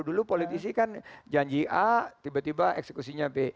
dulu politisi kan janji a tiba tiba eksekusinya b